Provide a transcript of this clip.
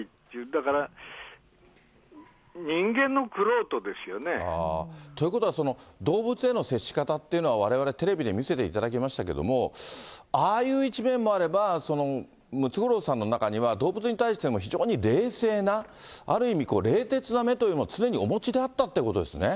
だから、ということは、動物への接し方っていうのは、われわれテレビで見せていただきましたけど、ああいう一面もあれば、ムツゴロウさんの中には、動物に対しても非常に冷静な、ある意味、冷徹な目というものを、常にお持ちだったということですね。